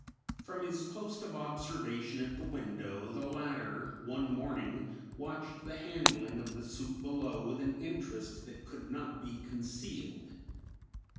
From his post of observation at the window the latter, one morning, watched the handling of the soup below with an interest that could not be concealed.